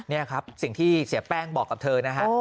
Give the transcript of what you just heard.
นี่ครับสิ่งที่เสียแป้งบอกกับเธอนะฮะ